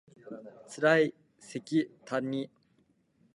つらいせきたんに